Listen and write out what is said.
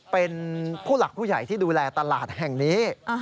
เป็นผู้หลักผู้ใหญ่ที่ดูแลตลาดแห่งนี้